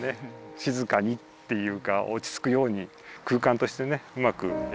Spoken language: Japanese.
しずかにっていうかおちつくように空間としてねうまくえん